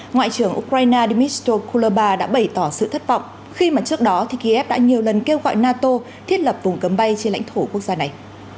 ngoại trưởng ukraine dmitr kuloba đã bày tỏ sự thất vọng khi mà trước đó kiev đã nhiều lần kêu gọi nato thiết lập vùng cấm bay trên lãnh thổ quốc gia này